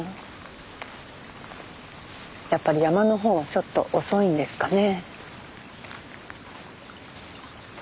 やっぱり山の方はちょっと遅いんですかね？